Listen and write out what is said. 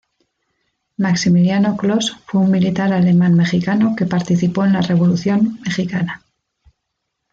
Maximiliano Kloss fue un militar alemán-mexicano que participó en la Revolución mexicana.